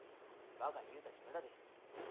若に言うたち無駄でした。